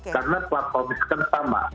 karena platformnya sama